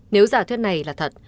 nếu giả thuyết này là thật